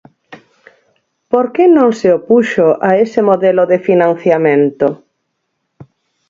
¿Por que non se opuxo a ese modelo de financiamento?